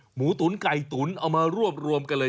หมูตุ๋นไก่ตุ๋นเอามารวบรวมกันเลย